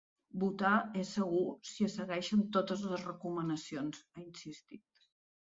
“Votar és segur si se segueixen totes les recomanacions”, ha insistit.